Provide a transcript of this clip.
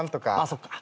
そっか。